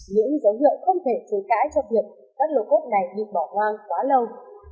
những dấu hiệu không thể chối cãi cho việc các lô cốt này bị bỏ hoang quá lâu